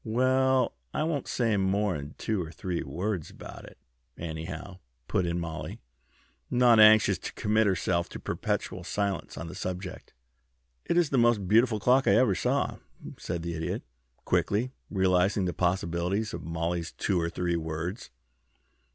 "Well, I won't say mor'n two or three words about it, anyhow," put in Mollie, not anxious to commit herself to perpetual silence on the subject. "It is the most beautiful clock I ever saw," said the Idiot, quickly, realizing the possibilities of Mollie's two or three words.